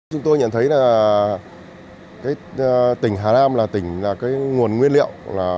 chúng tôi nhận thấy là tỉnh hà nam là tỉnh nguồn nguyên liệu